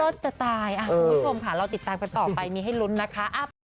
จะตายคุณผู้ชมค่ะเราติดตามกันต่อไปมีให้ลุ้นนะคะ